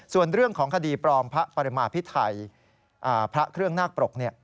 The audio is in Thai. ส่วนเรื่องของคดีปลอมพระปริมาพิไทยพระเครื่องนาคปรก